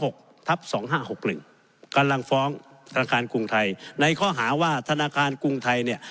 กำลังฟ้องธนาคารกรุงไทยในข้อหาว่าธนาคารกรุงไทยเนี่ย